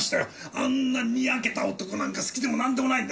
あんなにやけた男なんか好きでもなんでもないんだ。